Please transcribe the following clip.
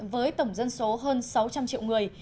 với tổng dân số hơn sáu trăm linh triệu người